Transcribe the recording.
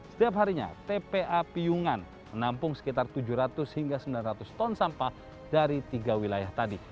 setiap harinya tpa piyungan menampung sekitar tujuh ratus hingga sembilan ratus ton sampah dari tiga wilayah tadi